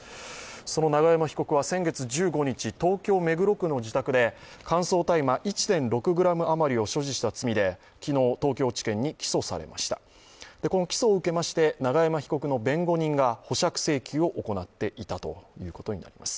その永山被告は先月１５日東京・目黒区の自宅で乾燥大麻１．６ｇ余りを所持した罪で昨日東京地検に起訴されました、この起訴を受けまして、永山被告の弁護人が保釈請求を行っていたということになります。